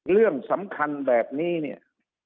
เรื่องสำคัญแบบนี้เนี่ย